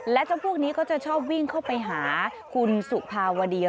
และเจ้าพวกนี้ก็จะชอบวิ่งเข้าไปหาคุณสุภาวดี